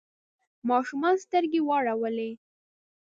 ماشوم سترګې ورواړولې.